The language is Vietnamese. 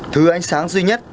thứ ánh sáng duy nhất